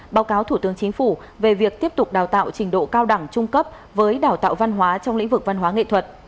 báo cáo thủ tướng chính phủ về việc tiếp tục đào tạo trình độ cao đẳng trung cấp với đào tạo văn hóa trong lĩnh vực văn hóa nghệ thuật